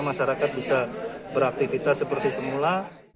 masyarakat bisa beraktivitas seperti semula